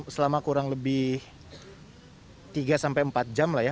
selama kurang lebih tiga sampai empat jam lah ya